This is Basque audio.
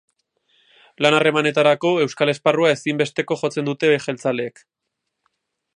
Lan harremanetarako euskal esparrua ezinbesteko jotzen dute jeltzaleek.